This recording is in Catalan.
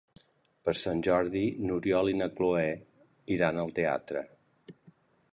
Per Sant Jordi n'Oriol i na Cloè iran al teatre.